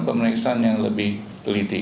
pemeriksaan yang lebih teliti